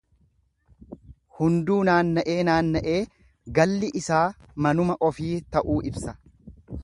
Hunduu naanna'ee naanna'ee galli isaa manuma ofii ta'uu ibsa.